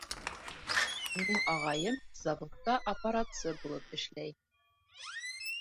Минең ағайым заводта аппаратсы булып эшләй.